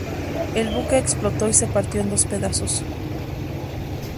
El buque explotó y se partió en dos pedazos.